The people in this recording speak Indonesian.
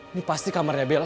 ini pasti kamarnya bella